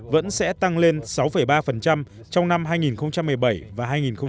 vẫn sẽ tăng lên sáu ba trong năm hai nghìn một mươi bảy và hai nghìn một mươi chín